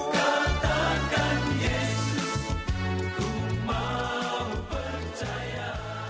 katakan yesus ku mau percaya